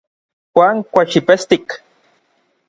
Juan kuaxipestik.